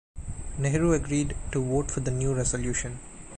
Nehru agreed to vote for the new resolution.